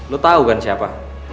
lo tau kan siapa